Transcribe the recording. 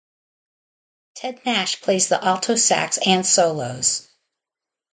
Ted Nash plays the alto sax and solos.